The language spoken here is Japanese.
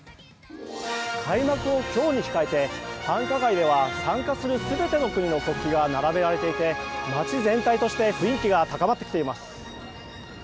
開幕を今日に控えて繁華街では参加する全ての国の国旗が並べられていて街全体として雰囲気が高まってきています。